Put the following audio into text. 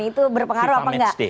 itu berpengaruh apa enggak